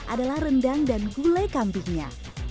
adalah rendang dan gulai kambingnya